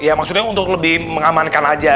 ya maksudnya untuk lebih mengamankan aja